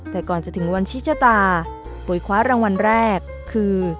แต่ก่อนจะถึงวันชิชตาปุ๋ยคว้ารางวัลแรกคือ